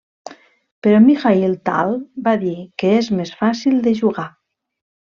Però Mikhaïl Tal, va dir que és més fàcil de jugar.